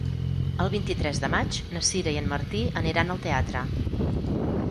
El vint-i-tres de maig na Sira i en Martí aniran al teatre.